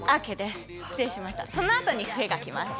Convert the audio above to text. そのあとに笛がきます。